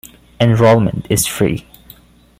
Enrollment is free.